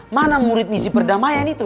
mana murid misi perdamaian itu